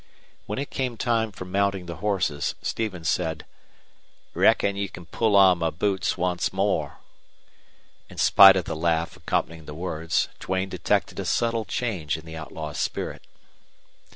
When it came time for mounting the horses Stevens said, "Reckon you can pull on my boots once more." In spite of the laugh accompanying the words Duane detected a subtle change in the outlaw's spirit.